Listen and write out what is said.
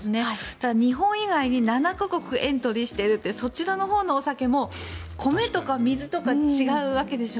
ただ、日本以外に７か国エントリーしているってそちらのほうもお酒も米とか水とか違うわけでしょ。